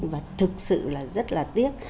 và thực sự là rất là tiếc